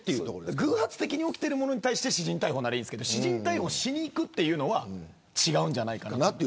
偶発的なものに対して私人逮捕ならいいんですけど私人逮捕をしにいくのは違うんじゃないかなと。